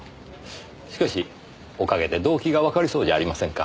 しかしおかげで動機がわかりそうじゃありませんか。